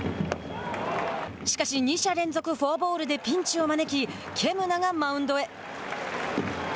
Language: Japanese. しかし、２者連続フォアボールでピンチを招きケムナがマウンドへ。